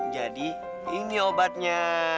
jadi ini obatnya